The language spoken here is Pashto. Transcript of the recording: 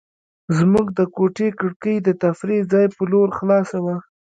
زموږ د کوټې کړکۍ د تفریح ځای په لور خلاصه وه.